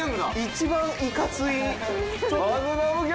一番いかつい。